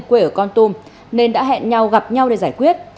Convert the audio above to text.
quê ở con tum nên đã hẹn nhau gặp nhau để giải quyết